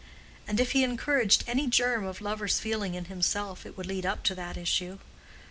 And if he encouraged any germ of lover's feeling in himself it would lead up to that issue.